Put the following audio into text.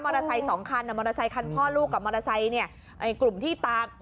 มอเตอร์ไซสองคันมอเตอร์ไซคันพ่อลูกกับมอเตอร์ไซเนี่ย